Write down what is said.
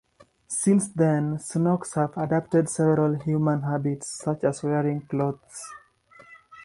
Since then, Snorks have adopted several human habits, such as wearing clothes.